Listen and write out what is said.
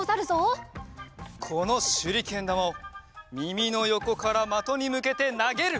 このしゅりけんだまをみみのよこから的にむけてなげる！